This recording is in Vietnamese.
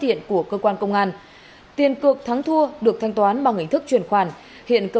tiện của cơ quan công an tiền cược thắng thua được thanh toán bằng hình thức chuyển khoản hiện cơ